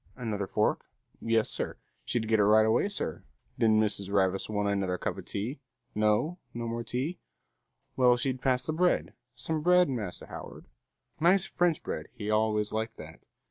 Another fork? Yes, sir. She'd get it right away, sir. Did Mrs. Ravis want another cuppa tea? No? No more tea? Well, she'd pass the bread. Some bread, Master Howard? Nice French bread, he always liked that.